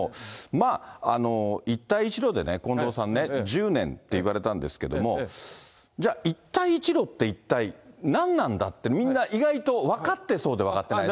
まあ、一帯一路でね、近藤さんね、１０年って言われたんですけれども、じゃあ、一帯一路って一体何なんだって、みんな、意外と分かってそうで分かってない。